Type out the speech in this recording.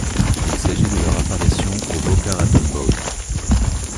Il s'agit de leur apparition au Boca Raton Bowl.